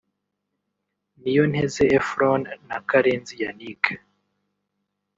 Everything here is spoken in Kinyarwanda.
Niyonteze Ephron na Karenzi Yannick